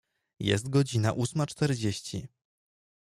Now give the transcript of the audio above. Jest godzina ósma czterdzieści.